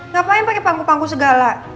ngapain pake pangku pangku segala